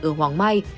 ở hoàng mai